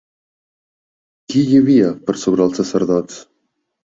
Qui hi havia per sobre els sacerdots?